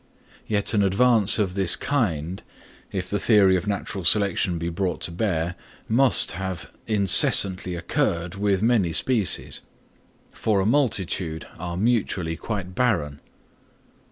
Yet an advance of this kind, if the theory of natural selection be brought to bear, must have incessantly occurred with many species, for a multitude are mutually quite barren.